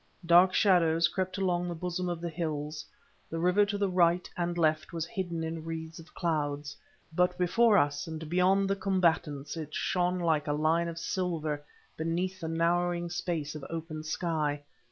Dark shadows crept along the bosom of the hills, the river to the right and left was hidden in wreaths of cloud, but before us and beyond the combatants it shone like a line of silver beneath the narrowing space of open sky.